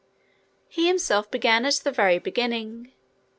He himself began at the very beginning.